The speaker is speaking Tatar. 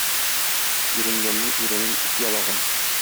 Иренгәннең иренен эт ялаган.